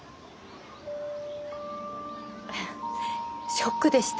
ショックでした。